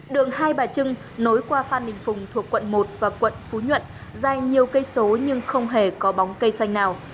đường hai bà trưng nối qua phan đình phùng thuộc quận một và quận phú nhuận dài nhiều cây số nhưng không hề có bóng cây xanh nào